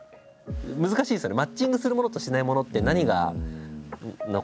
難しいですよね。